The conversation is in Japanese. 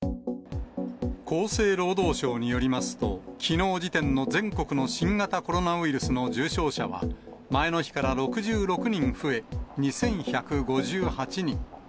厚生労働省によりますと、きのう時点の全国の新型コロナウイルスの重症者は、前の日から６６人増え、２１５８人。